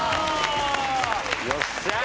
よっしゃあ！